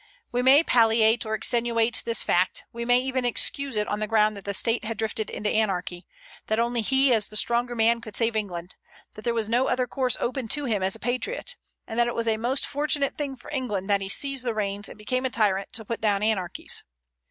We may palliate or extenuate this fact; we may even excuse it on the ground that the State had drifted into anarchy; that only he, as the stronger man, could save England; that there was no other course open to him as a patriot; and that it was a most fortunate thing for England that he seized the reins, and became a tyrant to put down anarchies.